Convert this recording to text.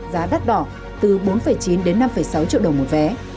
giá đắt đỏ từ bốn chín đến năm sáu triệu đồng một vé